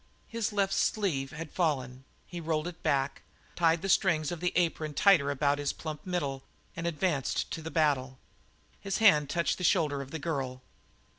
His left sleeve having fallen, he rolled it back, tied the strings of the apron tighter about his plump middle, and advanced to the battle. His hand touched the shoulder of the girl.